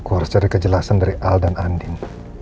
saya harus mencari penjelasan dari al dan andin